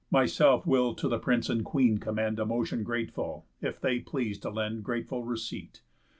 Myself will to the Prince and Queen commend A motion grateful, if they please to lend Grateful receipt.